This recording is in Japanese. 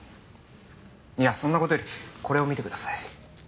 そんな事よりこれを見てください。